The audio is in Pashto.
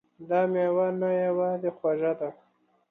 دا میوه نه یوازې خوږه ده